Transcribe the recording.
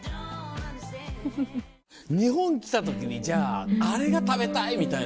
日本来た時にじゃああれが食べたいみたいな。